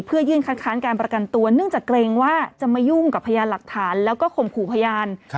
เพื่อยื่นค้านค้านการประกันตัวเกรงก็จะไม่ยุ่งกับพยานหลักฐานและก็ข่มขู่พยาน